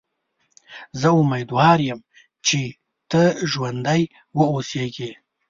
زه امیدوار یم چې ته ژوندی و اوسېږې.